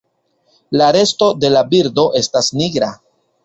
La resto de la birdo estas nigra.